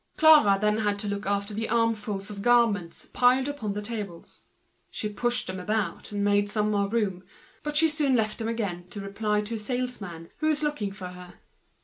Clara then had to look after the armfuls of garments piled on the tables. She pushed them about, and made more room. But she soon left them again to reply to a salesman, who was looking for her.